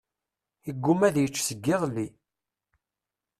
Iguma ad yečč seg iḍelli.